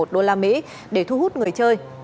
một đô la mỹ để thu hút người chơi